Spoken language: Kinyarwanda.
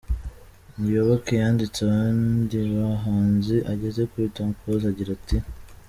Muyoboke yanditse abandi bahanzi ageze kuri Tom Close agira ati: .